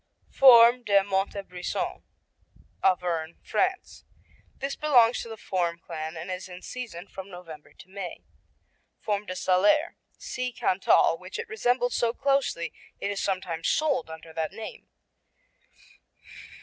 Fourme de Montebrison Auvergne, France This belongs to the Fourme clan and is in season from November to May. Fourme de Salers see Cantal, which it resembles so closely it is sometimes sold under that name.